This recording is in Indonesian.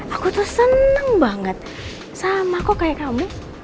aku tuh seneng banget sama kok kayak kamu